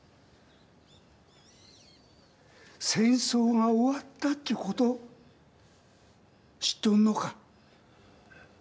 戦争が終わったってこと知っとんのか？